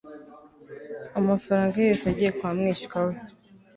amafaranga ye yose yagiye kwa mwishywa we